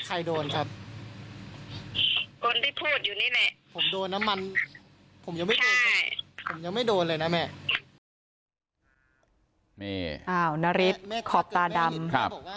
อ้าวนริฐขอบตาดำ